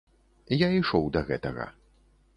Я ішоў да гэтага.